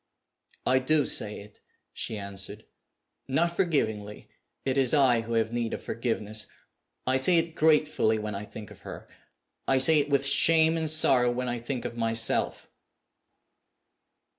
"I do say it!" she answered. "Not forgivingly it is I who have need of forgiveness. I say it gratefully when I think of her I say it with shame and sorrow when I think of myself."